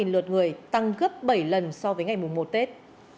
được người tăng gấp bảy lần so với ngày mùng một tết